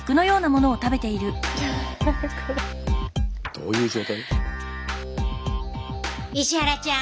どういう状態？